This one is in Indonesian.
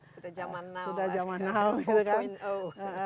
sudah zaman now